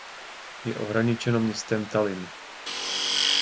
Je ohraničeno městem Tallinn.